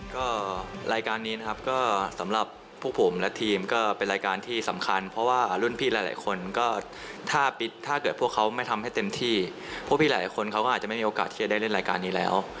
ก็รายการนี้นะครับก็สำหรับพวกผมและทีมก็เป็นรายการที่สำคัญเพราะว่ารุ่นพี่หลายคนก็ถ้าเกิดพวกเขาไม่ทำให้เต็มที่พวกพี่หลายคนเขาก็อาจจะไม่มีโอกาสที่จะได้เล่นรายการนี้แล้ว